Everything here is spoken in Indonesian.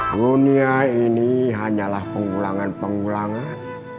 dunia ini hanyalah pengulangan pengulangan